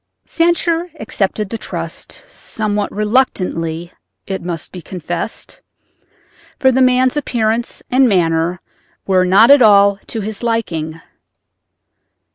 Sancher accepted the trust—somewhat reluctantly it must be confessed, for the man's appearance and manner were not at all to his liking.